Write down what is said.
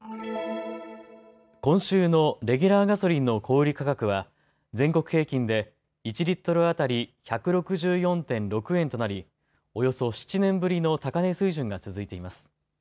今週のレギュラーガソリンの小売価格は全国平均で１リットル当たり１６４．６円となりおよそ７年ぶりの高値水準が続いています。